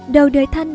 đầu đời thanh